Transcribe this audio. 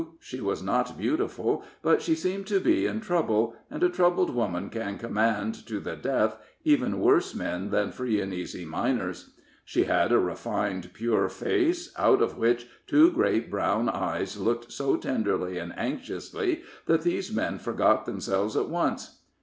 She was not beautiful, but she seemed to be in trouble, and a troubled woman can command, to the death, even worse men than free and easy miners. She had a refined, pure face, out of which two great brown eyes looked so tenderly and anxiously, that these men forgot themselves at once.